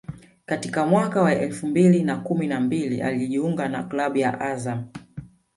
Katika mwaka wa elfu mbili na kumi na mbili alijiunga na klabu ya Azam